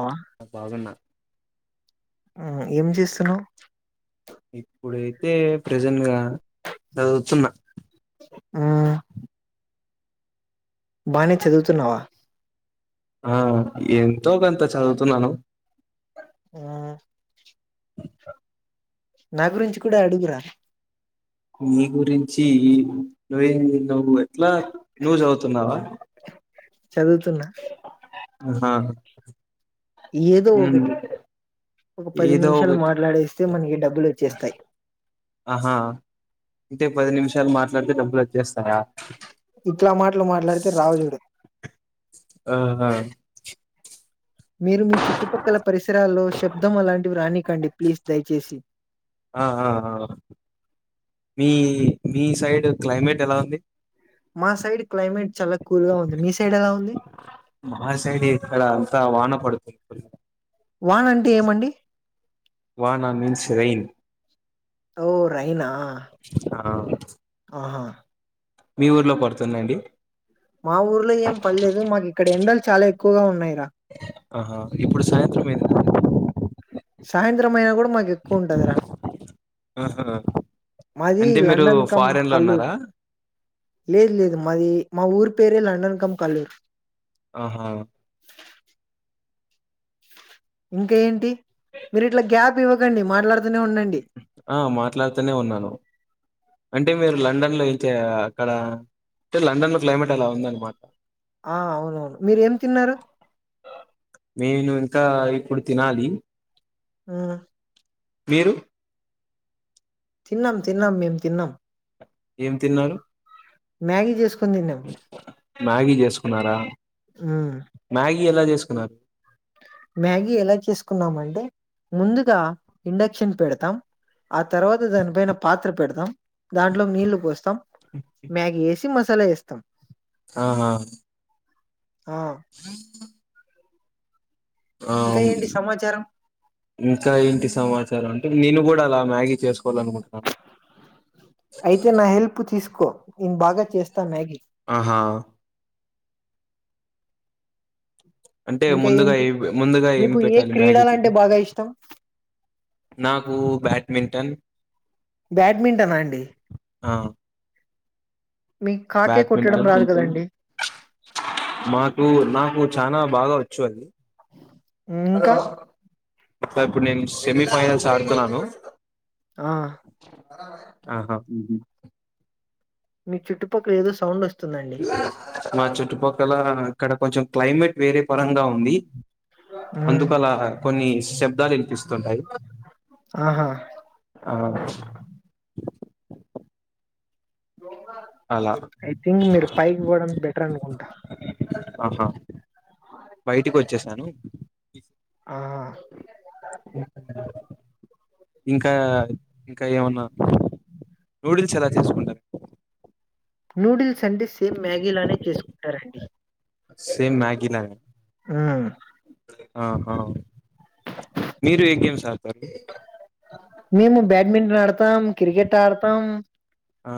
ఆ బాగున్నా ఉమ్, ఏం చేస్తున్నావ్ ఇప్పుడైతే ప్రెజెంట్గా చదువుతున్న ఆ బానే చదువుతున్నావా ఆ ఎంతో గంత చదువుతున్నాను ఆ నా గురించి కూడా అడుగురా ని గురించి నువ్వేం తిన్నావ్ ఇట్లా నువ్ చవుతున్నావా చదువుతున్నా హా ఏదో ఒకటి ఒక పది ఏదో నిమిషాలు ఒకటి మాట్లాడేస్తే మనకి డబ్బులు వచ్చేస్తాయి ఆహా అంటే పది నిమిషాలు మాట్లాడితే డబ్బులు వచ్చేస్తాయా ఇట్లా మాటలు మాట్లాడితే రావు చుడు ఆహా మీరు మీ చుట్టుపక్కల పరిసరాల్లో శబ్దం అలాంటివి రానికండి ప్లీజ్ దయచేసి ఆ ఆ మీ మీ సైడ్ క్లైమేట్ ఎలా ఉంది మా సైడ్ క్లైమేట్ చాలా కూల్ గా ఉంది మీ సైడ్ ఎలా ఉంది త వానపడుతుంది వాన అంటే ఏమండి వానా మీన్స్ రెయిన్ ఓ రైనా ఆఅ ఆహా మీ ఊర్లో పడుతుందండి మా ఊర్లో ఏం పడ లేదు మాకు ఇక్కడ ఎండలు చాలా ఎక్కువగా ఉన్నాయిరా ఆహా ఇప్పుడు సాయంత్రం అయింది గదా సాయంత్రమైన గుడా మాకు ఎక్కువ ఉంటందిరా ఆహా! మాది అంటే మీరు లండన్ కమ్ ఫారెన్‌లో కల్లూర్ ఉన్నారా? లేదు లేదు మాది మా ఊరు పేరు లండన్ కం కల్లూరు ఆహా ఇంక ఏంటి మీరు ఇట్ల గ్యాప్ ఇవ్వకండి మా ఆ మాట్లాడుతనే ఉన్నాను అంటే మీరు లండన్ లో అయితే అక్కడ అంటే లండన్ లో క్లైమేట్ అలా ఉందనమాట ఆ అవునవును మీరు ఏం తిన్నారు ఆ ఇప్పుడు తినాలి ఆ మీరు తిన్నాం తిన్నాం మేము తిన్నాం ఏం తిన్నారు మ్యాగి చేసు మ్యాగీ చేసుకున్నారా మ్మ్ మ్యాగీ ఎలా చేస్ తినమ్ మ్యాగీ ఎలా చేసుకున్నామంటే ముందుగా ఇండక్షన్ పెడతాం ఆ తర్వాత దానిపైన పాత్ర పెడతాం దాంట్లో నీళ్లు పోస్తాం మ్యాగి వేసి మస్ అల చేేస్తాం ఆహా ఆ ఆ ఇంకా మ్ ఏంటి సమాచారం ఇంక ఏంటి సమాచారం అంటే నిలబడాలి మ్యాగీ చేసు ప్చ్ అయితే నా హెల్ప్ తీసుకో నేను బాగా చేస్ త మ్యాగి ఆహా అంటే ఇంకా ముందుగా ఏంటి ఏవి ముందుగా ఏమి మీకు ఏ పెట్టాలి మ్యాగీకి క్రీడలంటే బాగా ఇష్టం నాకు బడ్మింటన్ బ్యాడ్మింటన్ ఆ అండి ఆ మీకు కాకే కొట్టడం బ్యాడ్మింటన్ రాదు కదండి చాలా బాగా వచ్చు అది ఇంకా అ ఇప్పుడు నేను సెమీఫైనల్స్ ఆడుతున్నాను ఆ ఆహా మీ చుట్టుపక్కల ఏదో సౌండ్ వస్తుందండి మా చుట్టుపక్క ఇలా ఇక్కడ కొంచెం క్లైమేట్ వేరే పరంగా ఉంది మ్మ్ అందుకు అలా కొన్ని శబ్దాలు వినిపిస్తుంటాయి ఆహా ఆ [inaudible] అలా ఐ థింక్ మీరు పైకి పోవడం బెటర్ అనుకుంటా ఆహా బయటికి వచ్చేసాను ఆ ఇంకా ఇంకా ఏమన్నా నూడిల్స్ ఎలా చేసుకుంటారు నూడిల్స్ అంటే సేమ్ మ్యాగీలానే చేసుకుంటారండి సేమ్ మ్యాగీలాగనే ఉన్నాను ఆహా మీరు ఏ గేమ్స్ ఆడతారాండి మేము బ్యాడ్మింటన్ ఆడతాం క్రికెట్ ఆడతాం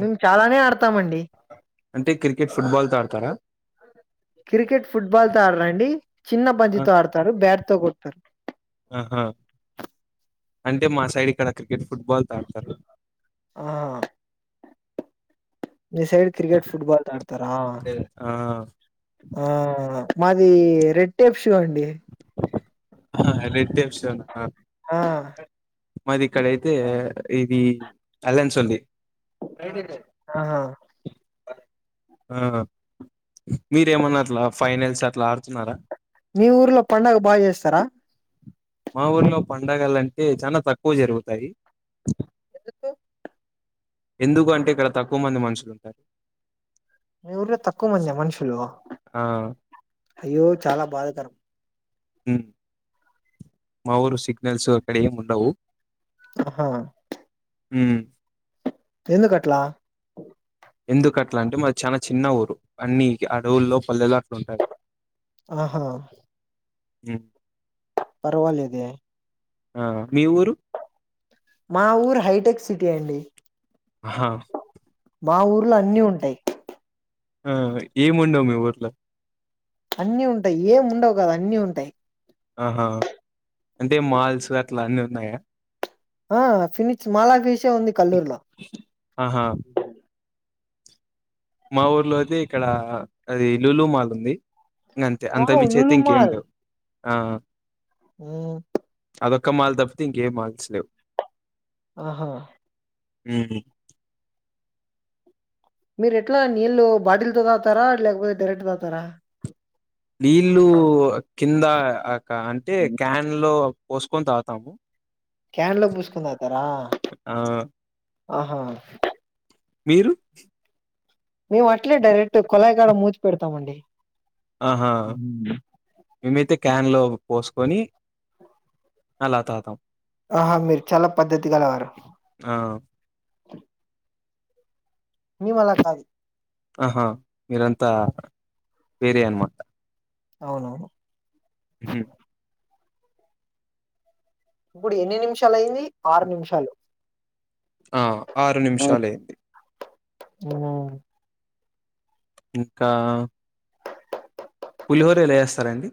నిను ట్రమైనర్ [unintelligible] తామండి అంటే క్రికెట్ పిల్లొల్లు తో ఆడతారా క్రికెట్ ఫుట్బాల్ ఎడదాండి చిన్న ఆ బంతితో ఆడతారు బ్యాట్ తో కొట్టతారు ఆహా అంటే మా సైడ్ ఇక్కడ క్రికెట్ ఫుట్బాల్ తో ఆడతారు ఆ మీ సైడ్ క్రికెట్ ఫుట్బాల్ తో ఆడతారా ఆ ఆ మాది రెడ్ టొప్ పొండి ఆ ఇల ఇద్దే విషమెన [unintelligible] ఆ మాది ఇక్కడయితే ఇది రిలయన్స్ వాళ్లది ఫ్రైడే నా ఆహా! ఆ మీరేమన్న అట్లా ఫైనల్స్ అట్లా ఆడుతున్నారా మీ ఊర్లో పండగ బాగా జెస్తారా మా ఊర్లో పండగలు అంటే చాలా తక్కువ జరుగుతాయి ఎందుకు ఎందుకు అంటే ఇక్కడ తక్కువ మంది మనుషులు ఉంటారు మీ ఊర్లో లో తక్కువ మంద్య మనుషులు ఆ అయ్యో చాలా బాధాకరం ఉ మాఊరు సిగ్నల్సు అక్కడ ఏం వుండవు అహా హు ఎందు కట్లా ఎందుకు అట్లా అంటే మా చాలా చిన్న ఊరు అన్ని అడవుల్లో పల్లెలు అట్ల ఉంటాయి ఆహా ఉ పర్వాలెదే ఆ మీ ఊరు మా ఊరు హైటెక్ సిటీ అండి అహ మా ఊర్లో అన్నీ ఉంటాయ్ ఆ ఏముండవు మీ ఊర్లో అన్నీ ఉంటాయి ఏం ఉండవు గాదు అన్నీ ఉంటాయ్ ఆహా అంటే మాల్స్ అట్లా అన్నీ ఉన్నాయా ఆ ఫినిచ్ మాలఫీస్ చే వుంది కల్లూరు లో ఆహా మా ఊర్లో అయితే ఇక్కడ అది లూలు మాల్ ఉంది ఇంగ అంతే వావ్! అంతకమించి అయితే లూలు ఇంకేం లేవ్ ఆ ఉ అదొక్క మాల్ తప్పితే ఇంకే మాల్స్ లేవు ఆహా ఉ మీరు ఎట్లా నీళ్ళు బాటిల్ తో దాగుతార లేకపోతే డైరెక్ట్ డైరెక్ట్ దాగుతారా నీళ్ళు కింద అంటే క్యాన్ లో పోసుకొని తాగుతాము క్యాన్ లో బుసుకొని దాగుతారా ఆ ఆహా మీరు మేము అట్లే డైరెక్ట్ కొళాయికాడ మూతి పెడతాము అండి ఆహా మేమైతే క్యాన్ లో పోసుకొని అలా తాతాం ఆహా! మీరు చాలా పద్ధతి గలవారు. ఆ. మీ వలా కాదు. ఆహా మీరంతా, వేరే అన్నమాట. ! అవునవును. హ ఇప్పుడు ఎన్ని నిమిషాలు అయింది? ఆరు నిమిషాలు. ! ఆ ఆరు నిమ్షాలైంది. [unintelligible] ఇంకా. పులిహోర ఎలా ఎస్తారండి.? !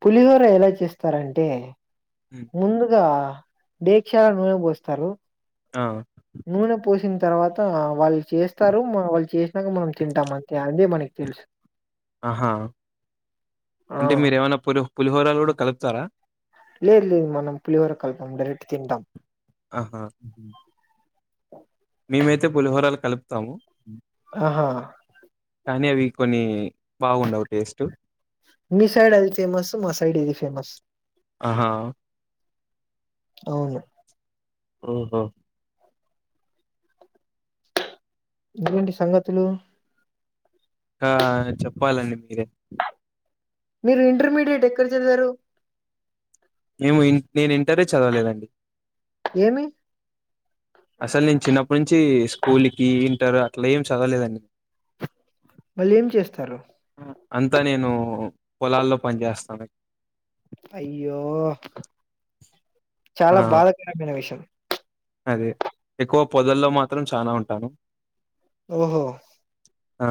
పులిహోర ఎలా చేస్తారంటే. హ్మ్. ! ముందుగా. దీక్షాల నునె బోస్తారు. ఆ. నూనె పోసిన్తర్వాత, వాళ్ళు చేస్తారు మన వాళ్ళు చేసినాక మనం తింటాం అంతే, అదే మనకి తెలుసు. ఆహా! ఆ అంటే మీరేమన్న పులీహో. పులిహోరలు గూడా కలుప్తారా. ! లేదు, లేదు మనం పులిహోర కల్పం డైరెక్ట్ తింటాం. ఆహా ఉహు. మేమైతే పులిహోరాలు కలుప్. తాము. ఆహా కానీ అవి కొన్ని. బాగుండవు టేస్ట్. మీ సైడ్ అది ఫేమస్, మా సైడ్ ఇది ఫేమస్. ఆహా అవును. ఆహా. ఇంగేంటి సంగతులు? ! ఆ చెప్పాలండి మీరే. మీరు ఇంటర్మీడియట్ ఎక్కడ చదివారు? మేము ఇన్ నేను ఇంటరే చదవలేదండి. ! ఏమి.? అసలు నేను చిన్నప్పటి నుంచి స్కూలిక్కీ, ఇంటర్, అట్లా ఏం చదవలేదండి. మళ్ళీ ఏం చేస్తారు? ఆ! అంతా నేను పొలాల్లో పని జేస్తాను. అయ్యో, ఆ చాలా బాధకరమైన విషం అదే ఎక్కువ పొదల్లో మాత్రం చానా ఉంటాను. ఓహో! ఆ.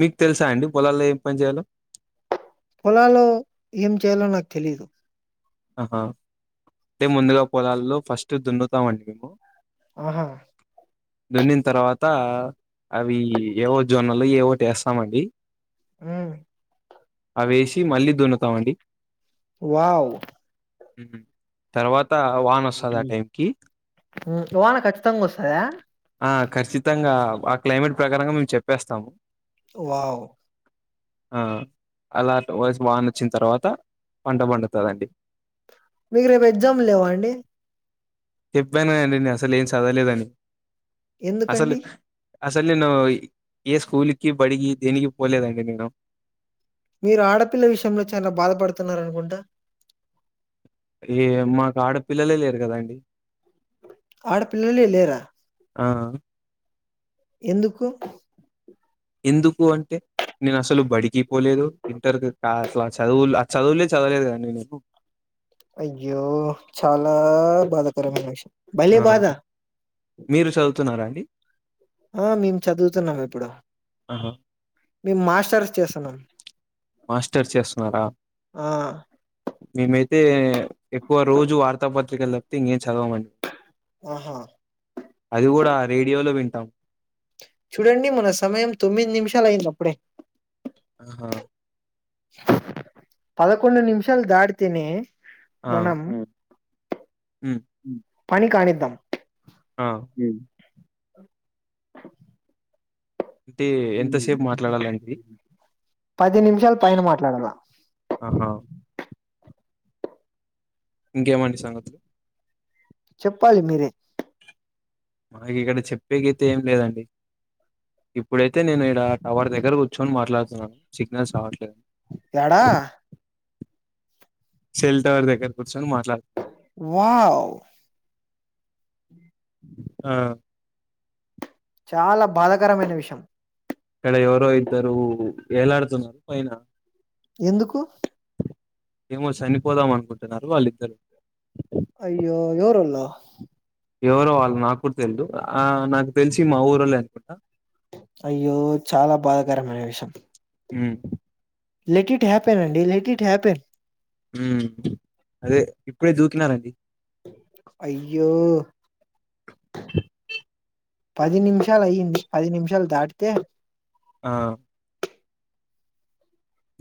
మీక్ తెలుసా అండి పొలాల్లో ఏం పని జేయాలో? పొలాల్లో ఏం చేయాలో నాక్ తెలీదు. ఆహా. ! అంటే ముందుగా పొలాల్లో ఫస్ట్ దున్నుతామండి మేము. ఆహా దున్నిన తర్వాత అవి ఏవో జొన్నలు ఏవోట వేస్తామండి ఆ అ వేసి మళ్ళీ దున్నుతామండి వావ్ తర్వాత వాన వస్తది ఆ టైంకి వానా ఖచ్చితంగా వస్తా స ఆ ఖచ్చితంగా ఆ క్లైమేట్ ప్రకారంగా మేము చెప్పేస్తాము వా్ ఆ అలా వయసు వాన్ వచ్చిన తర్వాత పంట పండుతుందండి మీకు రేపు ఎగ్జామ్ లేవా అండి చెప్పాననండి అసలు ఏం చదవలేదని అసలు ఎందుకండి అసలు నేను ఏ స్కూల్కి బడికి దేనికి పోలేదండి నేను మీరు ఆడపిల్ల విషయంలో చాలా బాధపడుతున్నారనుకుంటా ఏ మాకు ఆడపిల్లలే లేరు కదాండి ఆడపిల్లలే లేరా ఆ ఎందుకు ఎందుకు అంటే నేను అసలు బడికి పోలేదు ఇంటర్కి కా అట్లా చదువు ఆ చదువులే చదవలేదు కానీ నేను అయ్యో చాలా బాధాకరమైన విషయం ఆ భలే బాధ మీరు చదువుతున్నారా అండి ఆ మేము చదువుతున్నాం ఇప్పుడు ఆహా మీ మాస్ట్ చేస్తున్నా మాస్టర్స్ చేస్తున్నారా మేమైతే ఎక్కువ రోజు వార్తాపత్రికలు తప్పితే ఇంకేం చదవమండి ఆహా అది కూడా రేడియోలో వింటాం చూడండి మన సమయం తొమ్మిది నిమిషాలు అయిందప్పుడే ఆహా పదకొండు నిమిషాలు దాటితేనే ఆ! మనం హ్మ్. పని కాణిద్దాం ఆ అంటే ఎంతసేపు మాట్లాడాలండి? పది నిమిషాలు పైన మాట్లాడాలా ఆహా! ఇంకేమంన్ని సంగతు చెప్పాలి మీరే మనకి ఇక్కడ చెప్పే గీతే ఏం లేదండి ఇప్పుడైతే నేను ఈడ టవర్ దగ్గర కూర్చొని మాట్లాడుతు సిగ్నల్స్ రావట్లేదు ఎడా సెల్ టవర్ దగ్గర కూర్చొని మాట్లాడుతున్నాను. వావ్ ఆ చాలా బాధకరమైన విషయం అక్కడ ఎవరో ఇద్దరు ఏలాడుతున్నారు పైన ఎందుకు ఏమో చనిపోదాం అనుకుంటున్నారు వాళ్ళిద్దరూ అయ్యో ఎవరోల్లు ఎవరో వాళ్ళు నాకు తెలిదు ఆ నాకు తెలిసి మా ఊరోళ్లే అనుకుంటా అయ్యో చాలా బాధాకరమైన విషయం ఉ లెట్ ఇట్ హ్యాపెన్ అండి లెట్ ఇట్ హ్యాపెన్ మ్ అదే ఇప్పుడే దూకిినారండి అయ్యో పది నిమిష్ షాలు అయ్యింది పది నిమిషాలు దాటి తా ఆ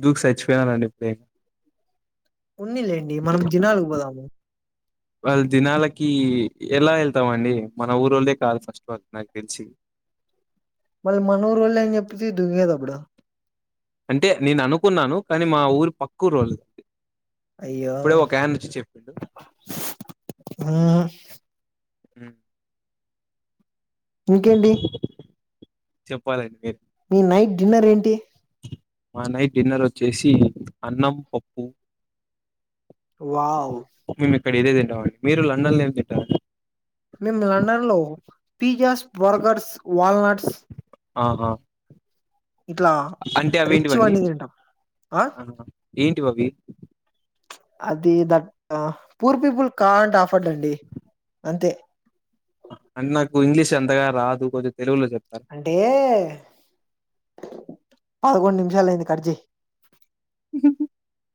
దూకి సచ్చిపోయానారండి ఇప్పుడే ఉన్నిలేండి మనం జినాలు పోదాము వాళ్ళు దినాలకి ఎలా వెళ్తామండి మన ఊరెళ్ళే కాదు ఫస్ట్ వాళ్ళు నాకు తెలిసి మళ్ళీ మన ఊరోల్లే అని చెప్పితివి దుగేటప్పుడు అంటే నేను అనుకున్నాను కానీ మా ఊరి పక్కురోళు అయ్యో ఇప్పుడే ఒక ఆయన వచ్చి చెప్పిండు ఆ ఉ ఇంకేంటి చెప్పాలండి మీరు మీ నైట్ డిన్నర్ ఏంటి మా నైట్ డిన్నర్ వచ్చేసి అన్నం పప్పు వావ్ ఇక్కడ ఇదే తింటామండి మీరు లండన్ లో ఏమి తింటారండి మేము లండన్ లో పిజ్జాస్, బర్గర్స్, వాల్నట్స్ ఆహా ఇట్లా అంటే రిచ్ అవేంటివండి? వన్నీ తింటాం ఆ ఏంటివి అవి అది దట్ హ పూర్ పీపుల్ కాంట్ ఆఫర్డ్ అండి అంతే అంటే నాకు ఇంగ్లీష్ ఎంతగా రాదు కొంది అంటే పదకొండు నిమిషాలు అయింది కచ్చేయ్ [unintelligible]